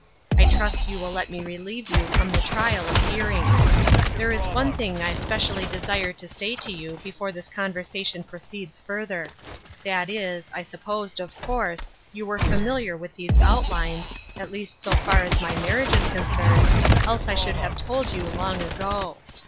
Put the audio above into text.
I trust you will let me relieve you from the trial of hearing. There is one thing I specially desire to say to you before this conversation proceeds further : that is, I supposed, of course, you were familiar with these outlines, at least so far as my marriage is concerned, else I should have told you long ago.